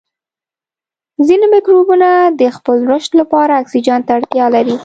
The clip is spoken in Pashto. ځینې مکروبونه د خپل رشد لپاره اکسیجن ته اړتیا لري.